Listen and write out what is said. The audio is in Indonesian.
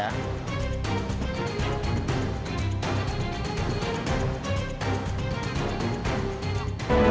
ya itu memang betul